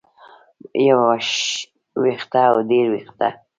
يو وېښتۀ او ډېر وېښتۀ